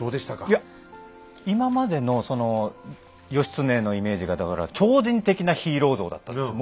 いや今までのその義経のイメージがだから超人的なヒーロー像だったんですよ。